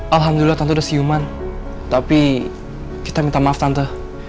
alhamdulillah tante udah siuman tapi kita minta maaf tante